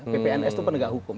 ppns itu penegak hukum